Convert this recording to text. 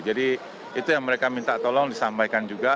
jadi itu yang mereka minta tolong disampaikan juga